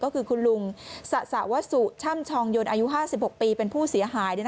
ก็คือคุณลุงสะสวสุช่ำชองยนอายุ๕๖ปีเป็นผู้เสียหาย